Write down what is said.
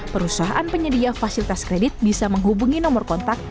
perusahaan penyedia fasilitas kredit bisa menghubungi nomor kontak